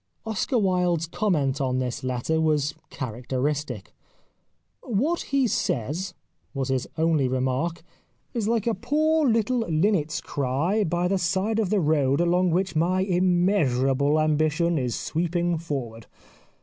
Oscar Wilde's comment on this letter was characteristic :" What he says," was his only remark, " is like a poor little hnnet's cry by the 215 The Life of Oscar Wilde side of the road along which my immeasurable ambition is sweeping forward."